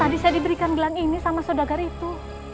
tadi saya diberikan gelang ini sama saudagar itu